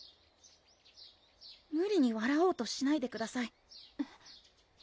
無理にわらおうとしないでくださいえっ？